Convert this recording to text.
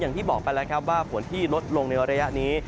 อย่างที่บอกกันเลยฝนที่ลดลงในระยะนี้